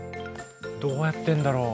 どうやってんだろう？